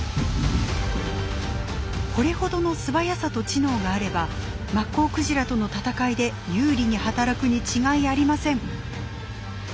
これほどの素早さと知能があればマッコウクジラとの闘いで有利に働くに違いありません。